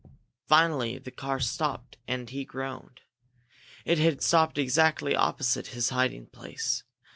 Finally the car stopped, and he groaned. It had stopped exactly opposite his hiding place!